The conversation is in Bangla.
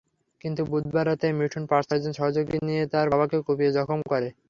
কিন্তু বুধবার রাতেই মিঠুন পাঁচ-ছয়জন সহযোগীকে নিয়ে তাঁর বাবাকে কুপিয়ে জখম করে।